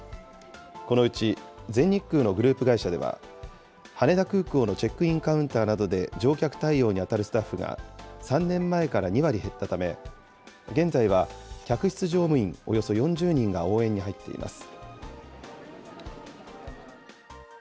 このうち全日空のグループ会社では、羽田空港のチェックインカウンターなどで乗客対応に当たるスタッフが、３年前から２割減ったため、現在は客室乗務員およそ４０人が応援に入っています。